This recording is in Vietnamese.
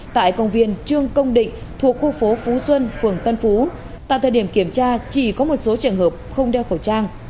tại công viên trương công định thuộc khu phố phú xuân phường tân phú tại thời điểm kiểm tra chỉ có một số trường hợp không đeo khẩu trang